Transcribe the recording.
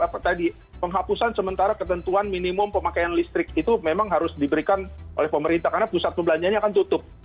apa tadi penghapusan sementara ketentuan minimum pemakaian listrik itu memang harus diberikan oleh pemerintah karena pusat perbelanjaannya akan tutup